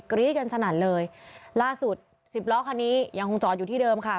รี๊ดกันสนั่นเลยล่าสุดสิบล้อคันนี้ยังคงจอดอยู่ที่เดิมค่ะ